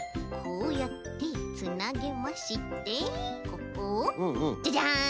こうやってつなげましてここをジャジャン！